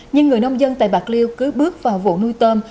nhưng người nông dân tại bạc liêu cứ bước vào vụ nuôi tôm